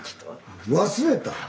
忘れた？